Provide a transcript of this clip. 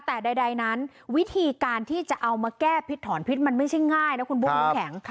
แต่ใดนั้นวิธีการที่จะเอามาแก้พิษถอนพิษมันไม่ใช่ง่ายนะคุณบุ๊คน้ำแข็ง